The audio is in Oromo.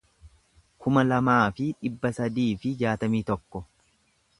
kuma lamaa fi dhibba sadii fi jaatamii tokko